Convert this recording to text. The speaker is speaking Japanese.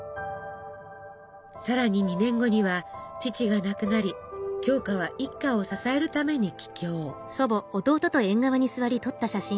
さらに２年後には父が亡くなり鏡花は一家を支えるために帰郷。